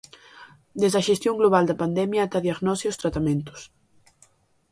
Desde a xestión global da pandemia ata a diagnose e os tratamentos.